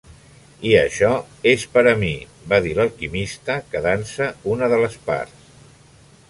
"I això és per a mi" va dir l'alquimista quedant-se una de les parts.